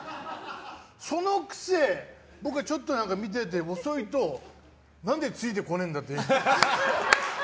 そのくせ僕がちょっと見てて遅いと何でついてこないんだって。